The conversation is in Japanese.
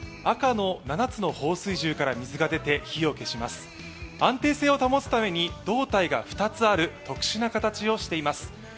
赤の７つの放水銃から水が出て安定性を保つために胴体が２つある特殊な形をしています。